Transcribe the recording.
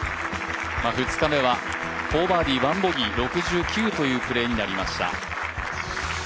２日目は４バーディー１ボギー６９というプレーになりました。